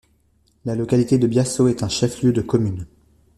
La localité de Biasso est un chef-lieu de commune.